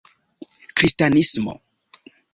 kristanismo